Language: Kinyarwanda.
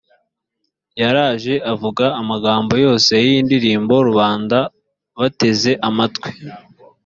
yaraje avuga amagambo yose y’iyi ndirimbo, rubanda bateze amatwi.